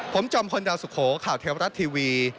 ผมจอมพลดาวสุโขข่าวเทวรัฐทีวี